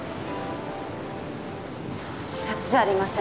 自殺じゃありません。